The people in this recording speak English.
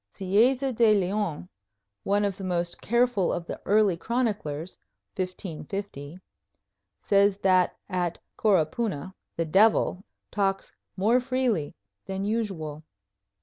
Cieza de Leon, one of the most careful of the early chroniclers (1550), says that at Coropuna "the devil" talks "more freely" than usual.